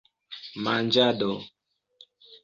manĝado